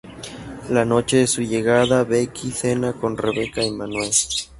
La noche de su llegada, Becky cena con Rebeca y Manuel.